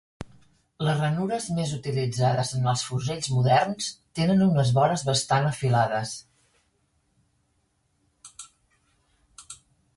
Les ranures més utilitzades en els fusells moderns tenen unes vores bastant afilades.